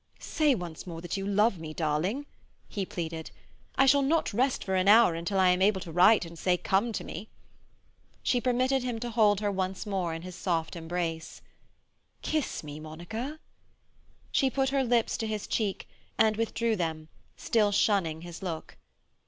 "Say once more that you love me, darling," he pleaded. "I shall not rest for an hour until I am able to write and say, "Come to me."" She permitted him to hold her once more in his soft embrace. "Kiss me, Monica!" She put her lips to his cheek, and withdrew them, still shunning his look.